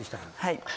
はい。